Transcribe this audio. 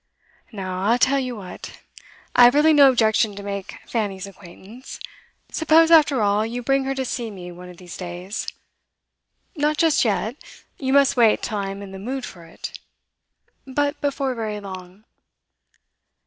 'Now, I'll tell you what. I have really no objection to make Fanny's acquaintance. Suppose, after all, you bring her to see me one of these days. Not just yet. You must wait till I am in the mood for it. But before very long.